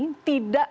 tidak terlebih dahulu